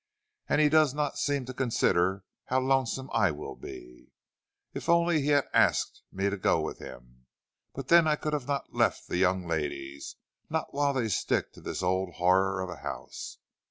and he does not seem to consider how lonesome I will be. If only he had asked me to go with him! But then I could not have left the young ladies; not while they stick to this old horror of a house.